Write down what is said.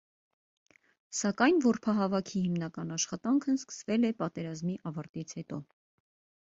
Սակայն որբահավաքի հիմնական աշխատանքն սկսվել է պատերազմի ավարտից հետո։